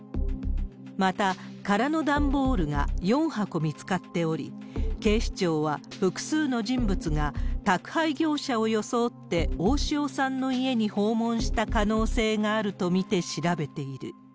また、空の段ボールが４箱見つかっており、警視庁は複数の人物が宅配業者を装って大塩さんの家に訪問した可能性があると見て調べている。